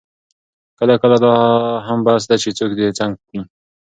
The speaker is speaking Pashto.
کله کله دا هم بس ده چې څوک دې څنګ کې وي.